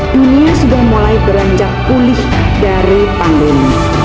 dunia sudah mulai beranjak pulih dari pandemi